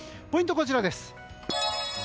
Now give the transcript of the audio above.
ポイントはこちらです。